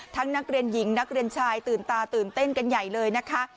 นักเรียนหญิงนักเรียนชายตื่นตาตื่นเต้นกันใหญ่เลยนะคะ